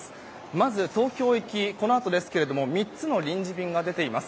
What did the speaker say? まず東京行き、このあと３つの臨時便が出ています。